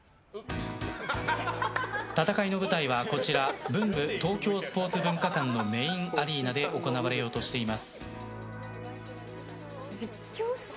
戦いの舞台はブンブ東京スポーツ文化館メインアリーナで行われようとしています。